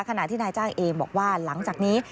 ขณะที่นายจ้างเองบอกว่าหลังจากนี้